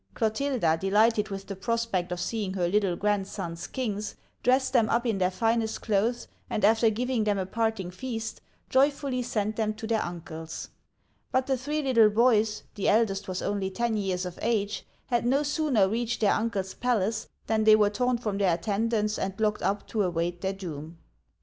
Clotilda, delighted with the prospect of seeing her little grand sons kings, dressed them up in their finest clothes, and after giving them a parting feast, joyfully sent them to their uncles. But the three little boys — the eldest was only ten years of age — had no sooner reached their uncle's Digitized by Google SONS OF CLOVIS (511 561) 55 palace, than they were torn from their attendants and locked up to await their doom.